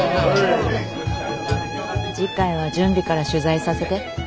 次回は準備から取材させて。